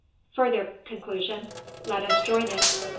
Further conclusion: Let us join it.